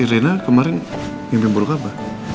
irina kemarin mimpin buruk apa